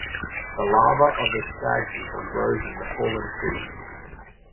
The larva of the stag beetle grows in the fallen trees.